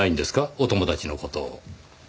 お友達の事を。